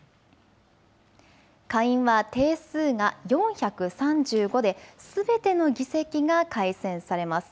下院は定数が４３５ですべての議席が改選されます。